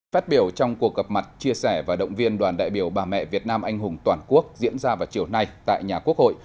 phát biểu trong cuộc gặp mặt chia sẻ và động viên đoàn đại biểu bà mẹ việt nam anh hùng toàn quốc diễn ra vào chiều nay tại nhà quốc hội